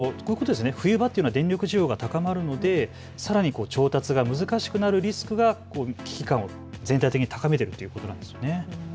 ここまでの争奪戦というのは驚きでしたけれど、やはり冬場というのは電力需要が高まるので、さらに調達が難しくなるリスクが危機感を全体的に高めているということなんですね。